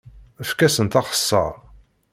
Efk-asent axeṣṣar.